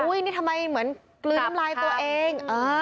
นี่ทำไมเหมือนกลืนน้ำลายตัวเอง